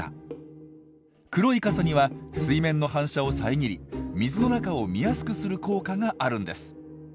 黒い傘には水面の反射をさえぎり水の中を見やすくする効果があるんです。